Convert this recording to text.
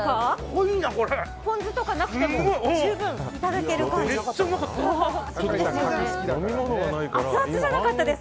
ポン酢とかなくても十分いただける感じで。